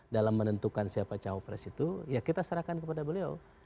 dalam menentukan siapa cawapres itu ya kita serahkan kepada beliau